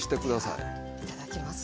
ではいただきます。